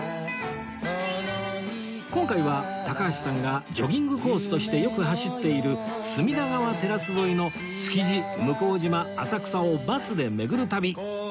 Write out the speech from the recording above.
今回は高橋さんがジョギングコースとしてよく走っている隅田川テラス沿いの築地向島浅草をバスで巡る旅